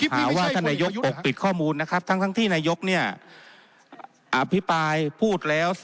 หาว่าท่านนายกปกปิดข้อมูลนะครับทั้งที่นายกเนี่ยอภิปรายพูดแล้ว